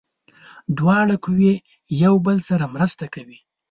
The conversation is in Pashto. دواړه قوې یو بل سره مرسته کوي.